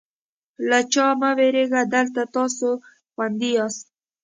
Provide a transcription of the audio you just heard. له چا مه وېرېږئ، دلته تاسې خوندي یاست.